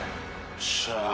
よっしゃ。